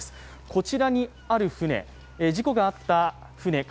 こちらにある船、事故があった船